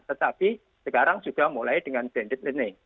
tetapi sekarang sudah mulai dengan blended learning